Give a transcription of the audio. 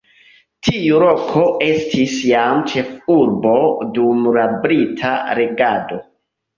Tiu loko estis jam ĉefurbo dum la brita regado.